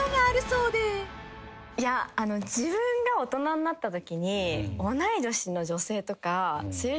いや自分が大人になったときに。